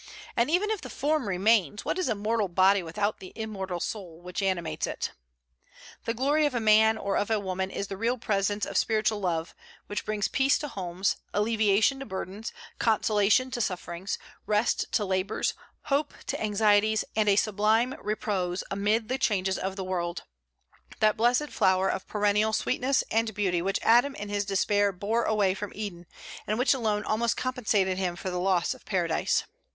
And even if the form remains, what is a mortal body without the immortal soul which animates it? The glory of a man or of a woman is the real presence of spiritual love, which brings peace to homes, alleviation to burdens, consolation to sufferings, rest to labors, hope to anxieties, and a sublime repose amid the changes of the world, that blessed flower of perennial sweetness and beauty which Adam in his despair bore away from Eden, and which alone almost compensated him for the loss of Paradise.